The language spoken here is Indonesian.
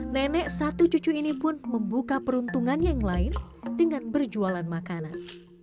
nenek satu cucu ini pun membuka peruntungannya yang lain dengan berjualan makanan